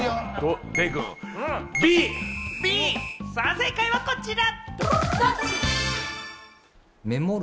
正解はこちら！